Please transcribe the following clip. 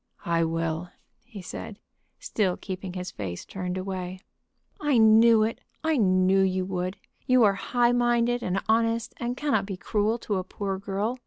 "I will," he said, still keeping his face turned away. "I knew it; I knew you would. You are high minded and honest, and cannot be cruel to a poor girl.